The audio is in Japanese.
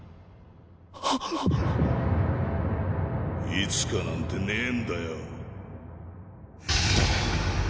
「いつか」なんてねえんだよ